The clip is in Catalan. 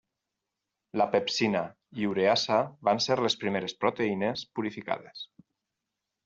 La pepsina i ureasa van ser les primeres proteïnes purificades.